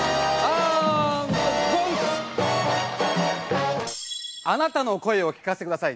あなたの声を聞かせて下さい。